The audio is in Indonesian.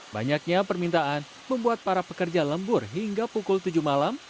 banyaknya permintaan membuat para pekerja lembur hingga pukul tujuh malam